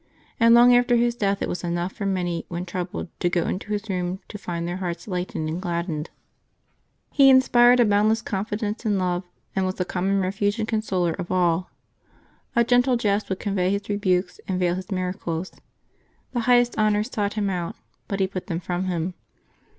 And long after his death it was enough for many, when troubled, to go into his room to find their hearts lightened and gladdened. He inspired a boundless confi dence and love, and was the common refuge and consoler of all. A gentle jest would convey his rebukes and veil his miracles. The highest honors sought him out, but he put them from him.